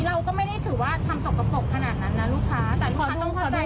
เราก็ไม่ได้ถือว่าทำสกปรกขนาดนั้นนะลูกค้าแต่ลูกค้าต้องเข้าใจ